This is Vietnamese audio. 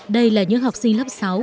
đây là những học sinh lớp sáu